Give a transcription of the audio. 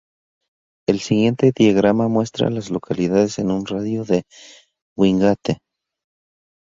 El siguiente diagrama muestra a las localidades en un radio de de Wingate.